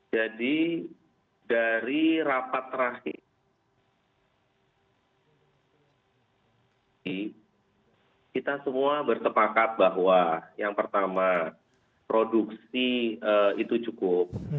jadi dari rapat terakhir kita semua bersepakat bahwa yang pertama produksi itu cukup